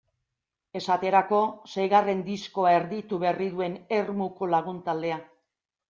Esaterako, seigarren diskoa erditu berri duen Ermuko lagun taldea.